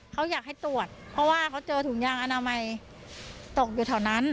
เขาอยากให้ตรวจเพราะว่าเขาเจอถุงยางอนามัยตกอยู่แถวนั้น